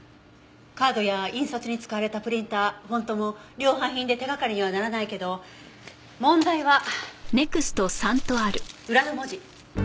カードや印刷に使われたプリンターフォントも量販品で手掛かりにはならないけど問題は裏の文字。